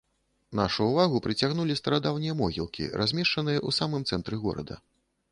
Нашу ўвагу прыцягнулі старадаўнія могілкі, размешчаныя ў самым цэнтры горада.